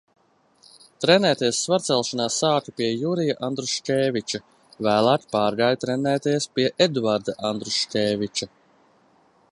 Trenēties svarcelšanā sāka pie Jurija Andruškēviča, vēlāk pārgāja trenēties pie Eduarda Andruškēviča.